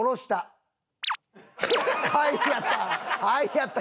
はいやった。